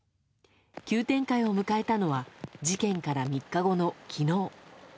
急展開を迎えたのは事件から３日後の昨日。